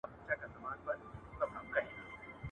یو ټولنیز واقعیت باید له فرد څخه بهر وي.